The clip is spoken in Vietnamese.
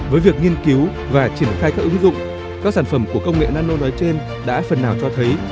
với việc nghiên cứu và triển khai các ứng dụng các sản phẩm của công nghệ nano nói trên đã phần nào cho thấy